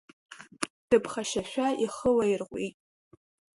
Дԥхашьашәа ихы лаирҟәит.